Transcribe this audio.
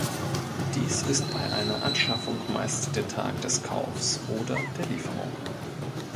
Dies ist bei einer Anschaffung meist der Tag des Kaufs oder der Lieferung.